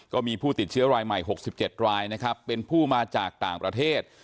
ก็มีผู้ติดเชื้อรายใหม่๖๗รายนะครับเป็นผู้มาจากต่างประเทศ